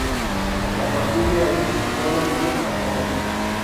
A partir de ahí no volvió a competir.